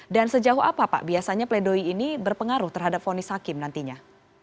dan sejauh apa pak biasanya pledoi ini berpengaruh terhadap fonis hakim nantinya